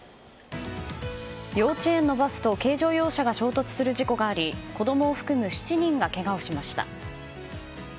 幼稚園のバスと軽乗用車が衝突する事故があり子供を含む７人がけがをしました。